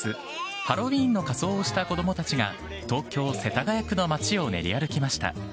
ハロウィーンの仮装をした子どもたちが、東京・世田谷区の街を練り歩きました。